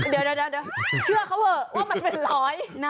เดี๋ยวเชื่อเขาเถอะว่ามันเป็นร้อยนะ